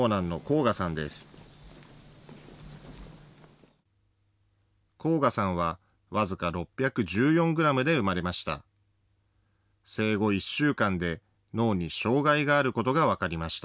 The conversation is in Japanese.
こうがさんは僅か６００グラムで産まれました。